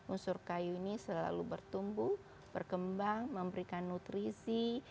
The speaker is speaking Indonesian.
unsur kayu ini selalu bertumbuh berkembang memberikan nutrisi